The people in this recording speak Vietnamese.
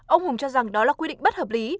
ông hùng cho rằng đó là quy định bất hợp lý